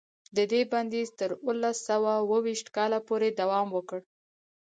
د دې بندیز تر اوولس سوه اوه ویشت کاله پورې دوام وکړ.